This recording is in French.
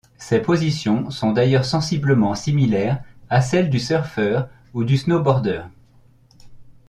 Ces positions sont d'ailleurs sensiblement similaires à celles du surfer ou du snowborder.